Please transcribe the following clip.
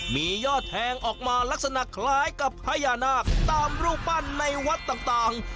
มียอดแทงออกมาลักษณะคล้ายกับพญานาคตามรูปปั้นในวัดต่าง